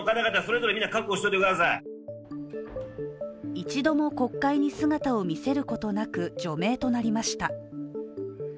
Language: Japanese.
一度も国会に姿を見せることなく除名となりました。